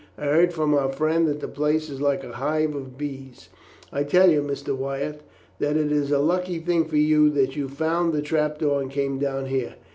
"I heard from our friend that the place is like a hive of bees. I tell you, Mr. Wyatt, that it is a lucky thing for you that you found the trap door and came down here.